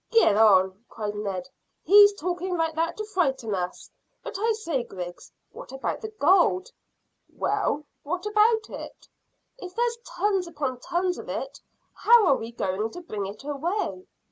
"Get on!" cried Ned. "He's talking like that to frighten us. But I say, Griggs, what about the gold?" "Well, what about it?" "If there's tons upon tons of it, how are we going to bring it away?"